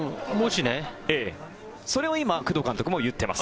それを今工藤監督も言っています。